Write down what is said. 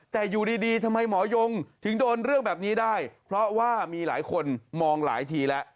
แต่อยู่ดีทำไมหมอยงถึงโดนเรื่องแบบนี้ได้เพราะว่ามีหลายคนมองหลายทีแล้ว